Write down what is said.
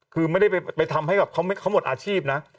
คือไม่ได้ไปทำให้แบบเขาหมดอาชีพนะ